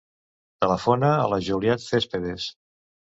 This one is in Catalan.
Telefona a la Juliet Cespedes.